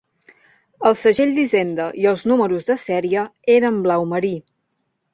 El segell d'Hisenda i els números de sèrie eren blau marí.